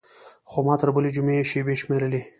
خو ما تر بلې جمعې شېبې شمېرلې.